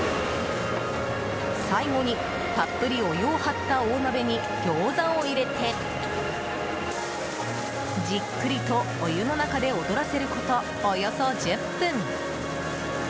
最後にたっぷりお湯を張った大鍋に餃子を入れてじっくりとお湯の中で踊らせること、およそ１０分。